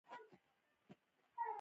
ما مشروطه حکومت غوښتی.